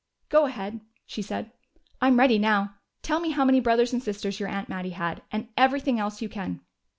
"Go ahead," she said. "I'm ready now. Tell me how many brothers and sisters your aunt Mattie had, and everything else you can."